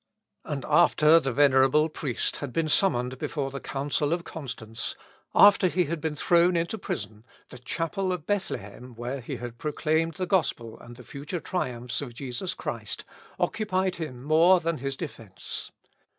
And after the venerable priest had been summoned before the Council of Constance, after he had been thrown into prison, the chapel of Bethlehem, where he had proclaimed the Gospel and the future triumphs of Jesus Christ, occupied him more than his defence.